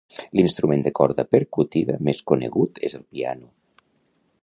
L'instrument de corda percudida més conegut és el piano.